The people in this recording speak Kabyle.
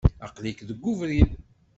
Aql-ik deg webrid.